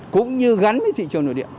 cũng như gắn với thị trường nội địa